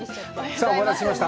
さあ、お待たせしました。